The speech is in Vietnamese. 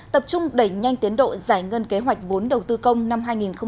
tập trung đẩy nhanh tiến độ giải ngân kế hoạch vốn đầu tư công năm hai nghìn hai mươi